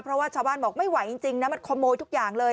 เพราะว่าชาวบ้านบอกไม่ไหวจริงนะมันขโมยทุกอย่างเลย